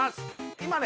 今ね